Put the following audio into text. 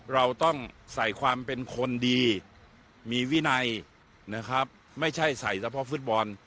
เราต้องใส่ความเป็นคนดีมีวินัยนะครับไม่ใช่ใส่เฉพาะฟุตบอล